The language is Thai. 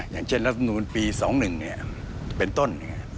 อย่างเช่นรัฐมนูลปี๒๑เป็นต้น